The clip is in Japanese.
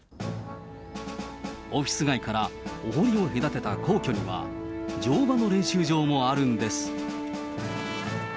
オフィス街からお堀を隔てた皇居には、乗馬の練習場もあるんです。